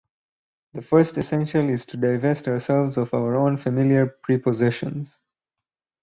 The first essential is to divest ourselves of our own familiar prepossessions.